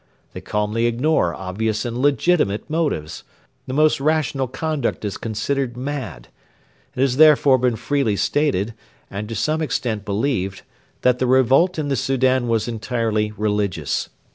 They calmly ignore obvious and legitimate motives. The most rational conduct is considered mad. It has therefore been freely stated, and is to some extent believed, that the revolt in the Soudan was entirely religious.